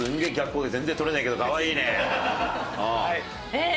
えっ？